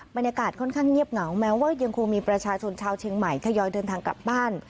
บรรยากาศค่อนข้างเงียบเหงาแม้ว่ายังคงมีประชาชนชาวเชียงใหม่ทยอยเดินทางกลับบ้าน